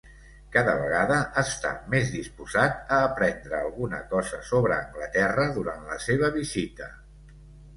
Cada vegada està més disposat a aprendre alguna cosa sobre Anglaterra durant la seva visita.